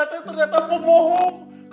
saya ternyata pemohong